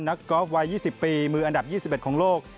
กอล์ฟวัย๒๐ปีมืออันดับ๒๑ของโลก